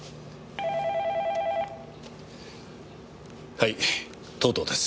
はい藤堂です。